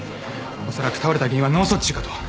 おそらく倒れた原因は脳卒中かと。